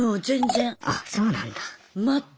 あそうなんだ。